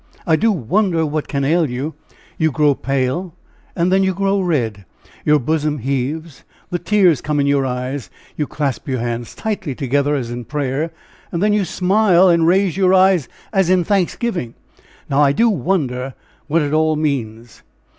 I do wonder what can ail you? You grow pale, and then you grow red; your bosom heaves, the tears come in your eyes, you clasp your hands tightly together as in prayer, then you smile and raise your eyes as in thanksgiving! Now, I do wonder what it all means?"